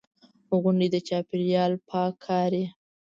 غونډې، د چاپېریال پاک کاري.